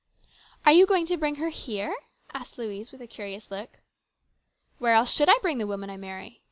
Are you going to bring her here ?" asked Louise with a curious look. " Where else should I bring the woman I marry